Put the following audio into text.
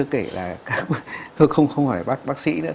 không phải bác sĩ nữa